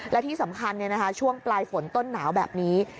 และที่สำคัญช่วงปลายฝนต้นหนาวแบบนี้